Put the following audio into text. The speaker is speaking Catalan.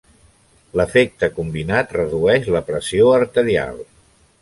L'efecte combinat redueix la pressió arterial.